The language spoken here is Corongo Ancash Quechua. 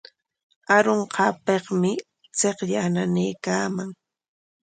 Arunqaapikmi chiqllaa nanaykaaman.